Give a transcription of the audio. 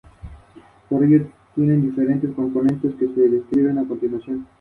De ahí el título, la razón es la ausencia del ser amado.